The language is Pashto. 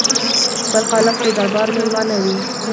د خپل خالق د دربار مېلمانه وي.